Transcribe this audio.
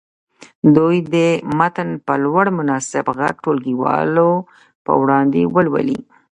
دوی دې متن په لوړ مناسب غږ ټولګیوالو په وړاندې ولولي.